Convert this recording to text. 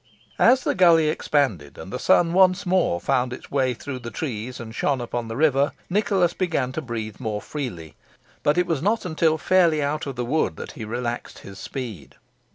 As the gully expanded, and the sun once more found its way through the trees, and shone upon the river, Nicholas began to breathe more freely; but it was not until fairly out of the wood that he relaxed his speed.